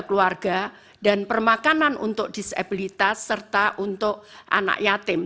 keluarga dan permakanan untuk disabilitas serta untuk anak yatim